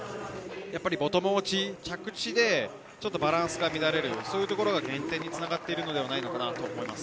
ボトム落ち、着地でバランスが乱れると減点につながっているのではないかと思います。